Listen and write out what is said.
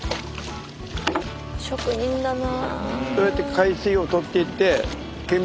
職人だな。